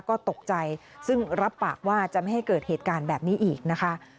ก็ตกใจซึ่งรับปากว่าจะไม่ให้เกิดเหตุการณ์แบบนี้อีกนะคะ